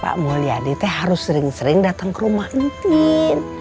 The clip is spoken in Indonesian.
pak mulyadi teh harus sering sering datang ke rumah enti